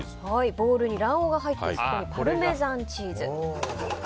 ボウルに卵黄が入ってそこにパルメザンチーズ。